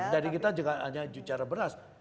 jadi kita juga hanya bicara beras